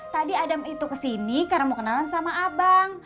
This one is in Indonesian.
tadi adam itu kesini karena mau kenalan sama abang